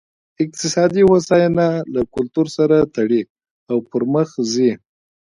اقتصادي هوساینه له کلتور سره تړي او پرمخ ځي.